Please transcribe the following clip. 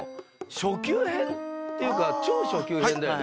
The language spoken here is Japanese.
初級編っていうか超初級編だよね。